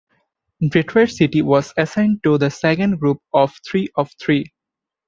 Detroit City was assigned to the second group of three of three.